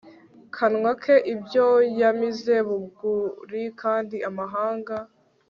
kanwa ke ibyo yamize bunguri kandi amahanga